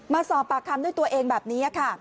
มาสอบปากคำด้วยตัวเองแบบนี้ค่ะ